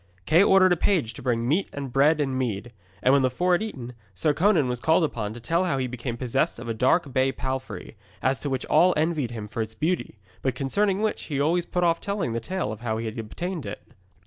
Kay ordered a page to bring meat and bread and mead, and when the four had eaten, Sir Conan was called upon to tell how he became possessed of a dark bay palfrey, as to which all envied him for its beauty, but concerning which he always put off telling the tale of how he had obtained it.